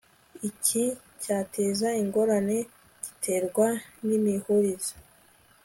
iki cyateza ingorane giterwa n imihurize